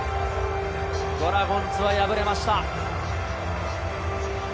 ドラゴンズは敗れました。